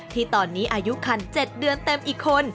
ที่ตอนนี้อายุคัน๗เดือนเต็มอีกคน